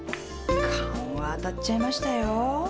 勘は当たっちゃいましたよ。